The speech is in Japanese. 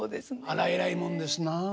あらえらいもんですなあ。